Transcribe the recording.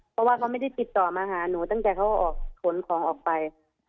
เพราะว่าเขาไม่ได้ติดต่อมาหาหนูตั้งแต่เขาออกขนของออกไป